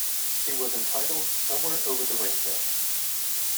It was entitled "Somewhere Over the Rainbow".